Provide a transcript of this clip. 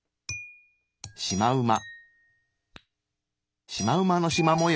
シマウマ。